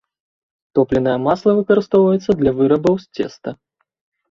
Топленае масла выкарыстоўваецца для вырабаў з цеста.